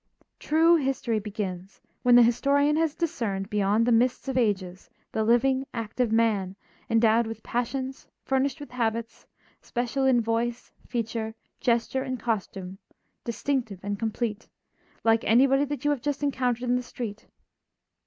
True history begins when the historian has discerned beyond the mists of ages the living, active man, endowed with passions, furnished with habits, special in voice, feature, gesture and costume, distinctive and complete, like anybody that you have just encountered in the street.